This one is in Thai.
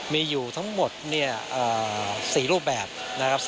มีอยู่ทั้งหมด๔รูปแบบนะครับ